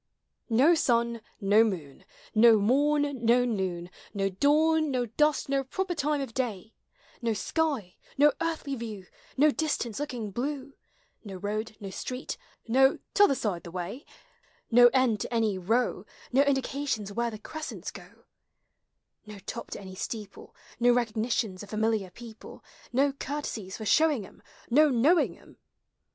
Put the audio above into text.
No sun — no moon ! No morn no nOOD —^ dawn— no dust no proper time of day— 168 POEMS OF XATURE. No sky — no earthly view — No distance looking bine — No road — no street — no tk t' other side the way "— No end to any Row — No indications where the Crescents go — No top to any steeple — No recognitions of familiar people — No courtesies for showing 'em — No knowing 'em